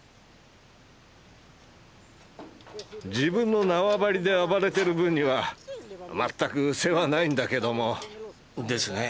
自分の縄張りで暴れてる分にはまったく世話ないんだけども。ですね。